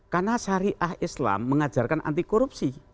karena syariah islam mengajarkan anti korupsi